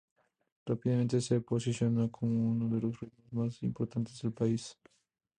Rápidamente se posicionó como unos de los ritmos más importantes del país.